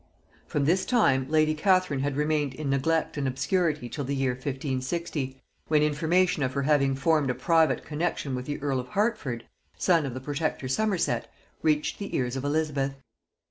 From this time lady Catherine had remained in neglect and obscurity till the year 1560, when information of her having formed a private connexion with the earl of Hertford, son of the Protector Somerset, reached the ears of Elizabeth.